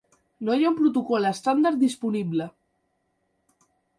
No hi ha un protocol estàndard disponible.